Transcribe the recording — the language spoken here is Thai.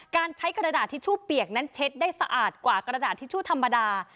การใช้กระดาษทิชชู่เปียกนั้นเช็ดได้สะอาดกว่ากระดาษทิชชู่ธรรมดา